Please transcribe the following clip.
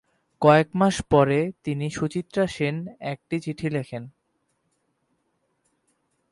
কয়েকমাস পরে তিনি সুচিত্রা সেন একটি চিঠি লেখেন।